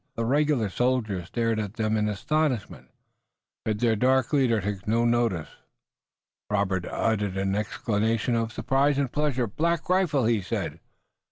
The regular soldiers stared at them in astonishment, but their dark leader took no notice. Robert uttered an exclamation of surprise and pleasure. "Black Rifle!" he said.